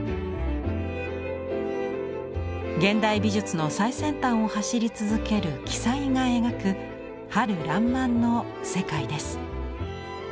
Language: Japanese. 現代美術の最先端を走り続ける鬼才が描く春らんまんの世界です。